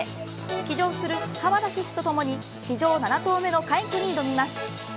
騎乗する川田騎手とともに史上７頭目の快挙に挑みます。